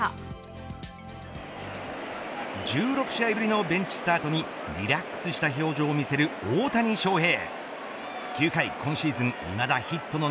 明日の先発に備えてか１６試合ぶりのベンチスタートにリラックスした表情を見せる大谷翔平。